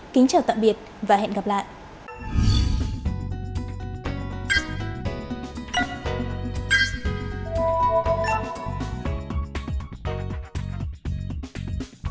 kính chào tạm biệt và hẹn gặp lại